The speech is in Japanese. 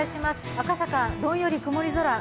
赤坂、どんより曇り空。